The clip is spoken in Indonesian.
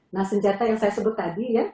nah senjata yang saya sebut tadi ya